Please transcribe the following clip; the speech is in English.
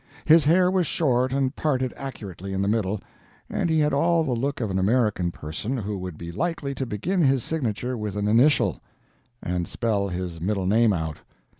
His hair was short and parted accurately in the middle, and he had all the look of an American person who would be likely to begin his signature with an initial, and spell his middle name out.